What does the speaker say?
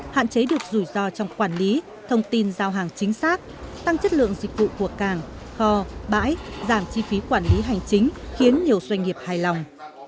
hạn chế được rủi ro trong quản lý thông tin giao hàng chính xác tăng chất lượng dịch vụ của càng kho bãi giảm chi phí quản lý hành chính khiến nhiều doanh nghiệp hài lòng